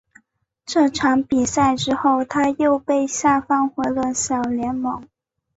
这场比赛之后他又被下放回了小联盟。